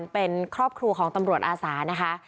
เป็นครอบครัวของตำรวจอาสานะคะ